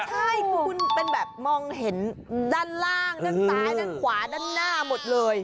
ใช่คือคุณเป็นแบบมองเห็นด้านล่างด้านซ้ายด้านขวาด้านหน้าหมดเลย